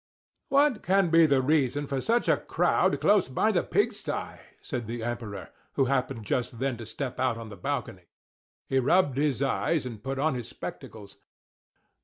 "What can be the reason for such a crowd close by the pigsty?" said the Emperor, who happened just then to step out on the balcony; he rubbed his eyes, and put on his spectacles.